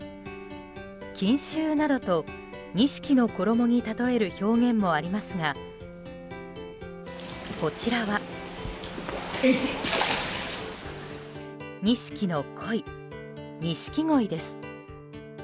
錦繍などと錦の衣に例える表現もありますがこちらは錦の鯉、錦鯉です。